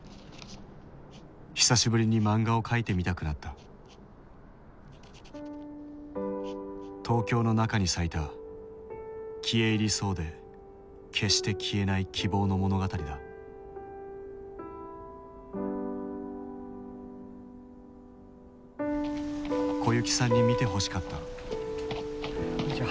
久しぶりにマンガを描いてみたくなった東京の中に咲いた消え入りそうで決して消えない希望の物語だ小雪さんに見てほしかったこんにちは。